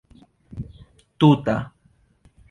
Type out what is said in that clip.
tuta